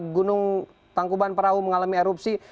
gunung tangkuban perahu mengalami erupsi